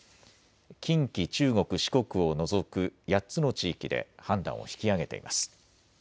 近畿、中国、四国を除く８つの地域で判断を引き上げています。